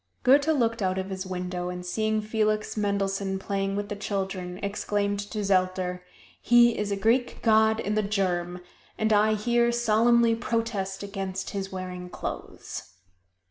Goethe looked out of his window and seeing Felix Mendelssohn playing with the children, exclaimed to Zelter, "He is a Greek god in the germ, and I here solemnly protest against his wearing clothes."